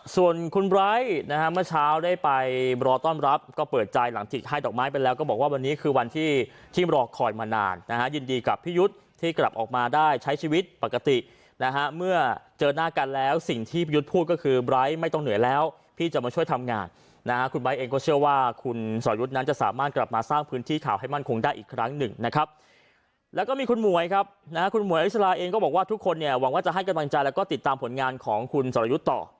ส่วนคุณไบร์ทนะฮะเมื่อเช้าได้ไปรอต้อนรับก็เปิดใจหลังที่ให้ดอกไม้ไปแล้วก็บอกว่าวันนี้คือวันที่ที่รอคอยมานานนะฮะยินดีกับพี่ยุทธ์ที่กลับออกมาได้ใช้ชีวิตปกตินะฮะเมื่อเจอหน้ากันแล้วสิ่งที่พี่ยุทธ์พูดก็คือไบร์ทไม่ต้องเหนื่อยแล้วพี่จะมาช่วยทำงานนะฮะคุณไบร์ทเองก็เชื่อว่าคุณสอย